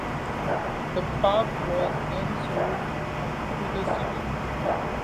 The park was then sold to the city.